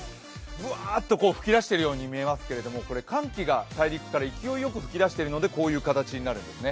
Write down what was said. ぶわーっと吹き出しているように見えますけどこれ寒気が大陸から勢いよく吹き出しているのでこうなるんですね。